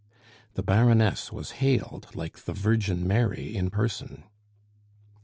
The Baroness was hailed like the Virgin Mary in person.